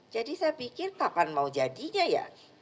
jadi saya pikir kapan mau jadinya ya